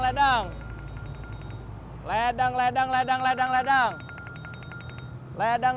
ledang ledang ledang ledang